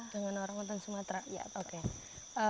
dengan orangutan sumatera ya oke